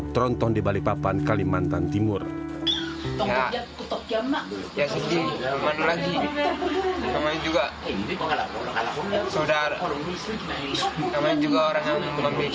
tronton di balikpapan kalimantan timur ya ya sedih lagi juga sudah juga orang yang memiliki